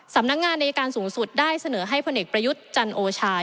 สำนักงานอายการสูงสุดได้เสนอให้พลเอกประยุทธ์จันโอชา